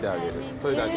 それだけ。